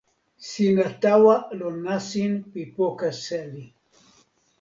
sina tawa lon nasin pi poka seli.